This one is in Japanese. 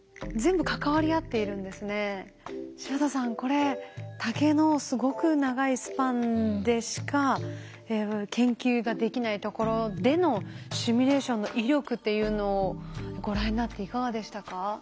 柴田さんこれ竹のすごく長いスパンでしか研究ができないところでのシミュレーションの威力っていうのをご覧になっていかがでしたか？